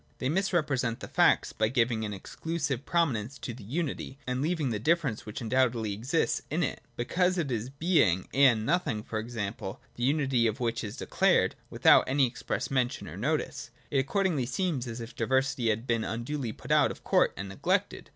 They misrepresent the facts, by giving an exclu sive prominence to the unity, and leaving the difference which undoubtedly exists in it (because it is Being and Nothing, for example, the unity of which is declared) without any express mention or notice. It accordingly seems as if the diversity had been unduly put out of court and neglected.